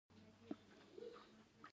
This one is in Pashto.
تنوع د افغانانو ژوند اغېزمن کوي.